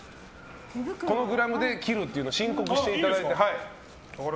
このグラムで切るって申告していただいて。